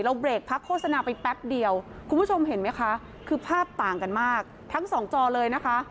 เบรกพักโฆษณาไปแป๊บเดียวคุณผู้ชมเห็นไหมคะคือภาพต่างกันมากทั้งสองจอเลยนะคะ